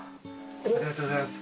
ありがとうございます。